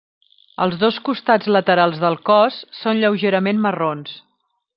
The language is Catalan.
Els dos costats laterals del cos són lleugerament marrons.